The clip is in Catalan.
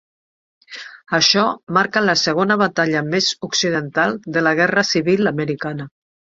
Això marca la segona batalla més occidental de la Guerra Civil Americana.